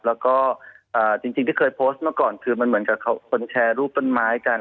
แล้วก็จริงที่เคยโพสต์เมื่อก่อนคือมันเหมือนกับคนแชร์รูปต้นไม้กัน